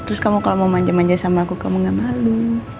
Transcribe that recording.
terus kamu kalau mau manjam manja sama aku kamu gak malu